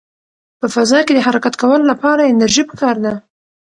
په فضا کې د حرکت کولو لپاره انرژي پکار ده.